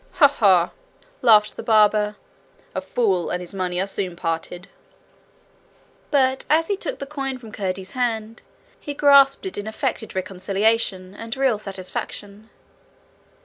'Ha! ha!' laughed the barber. 'A fool and his money are soon parted.' But as he took the coin from Curdie's hand he grasped it in affected reconciliation and real satisfaction.